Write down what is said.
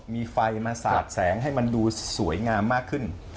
มีไฟมาสาดแสงให้มันดูสวยงามมากขึ้น